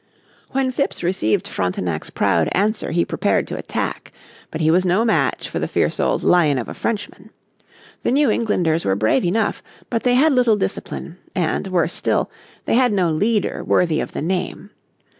When Phips received Frontenac's proud answer he prepared to attack. But he was no match for the fierce old lion of a Frenchman. The New Englanders were brave enough, but they had little discipline, and, worse still, they had no leader worthy of the name.